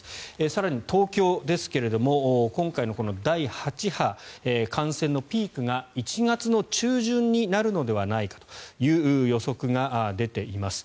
更に、東京ですが今回のこの第８波感染のピークが１月の中旬になるのではないかという予測が出ています。